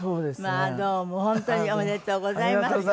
まあどうも本当におめでとうございましたね。